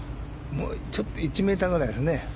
もうちょっと１ｍくらいですね。